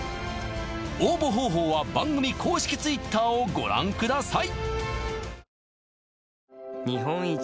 応募方法は番組公式Ｔｗｉｔｔｅｒをご覧ください！